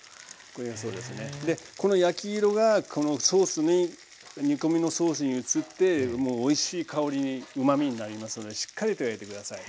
この焼き色がこのソースに煮込みのソースに移ってもうおいしい香りにうまみになりますのでしっかりと焼いて下さい。